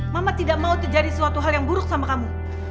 mama tidak mau terjadi suatu hal yang buruk sama kamu